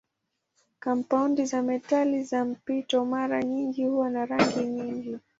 Kampaundi za metali za mpito mara nyingi huwa na rangi nyingi.